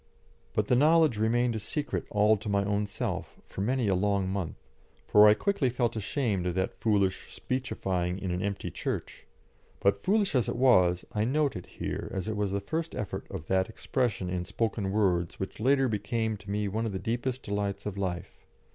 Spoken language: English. But the knowledge remained a secret all to my own self for many a long month, for I quickly felt ashamed of that foolish speechifying in an empty church; but, foolish as it was, I note it here, as it was the first effort of that expression in spoken words which later became to me one of the deepest delights of life.